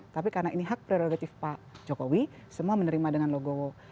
tapi karena ini hak prerogatif pak jokowi semua menerima dengan logowo